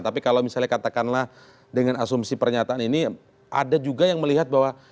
tapi kalau misalnya katakanlah dengan asumsi pernyataan ini ada juga yang melihat bahwa